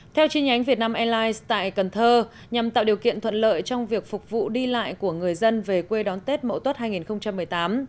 theo chi nhánh vietnam airlines tại cần thơ nhằm tạo điều kiện thuận lợi trong việc phục vụ đi lại của người dân về quê đón tết mẫu tốt hai nghìn một mươi tám